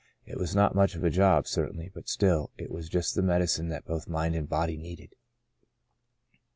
" It was not much of a job, certainly, but still, it was just the medicine that both mind and body needed."